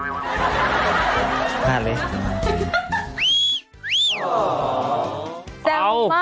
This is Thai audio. โอ้โหโอ้โหโอ้โห